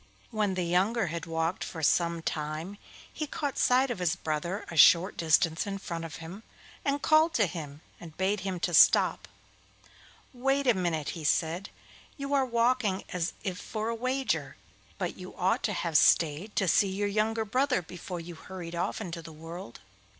When the younger had walked for some time he caught sight of his brother a short distance in front of him, and called to him and bade him to stop. 'Wait a minute,' he said; 'you are walking as if for a wager, but you ought to have stayed to see your younger brother before you hurried off into the world.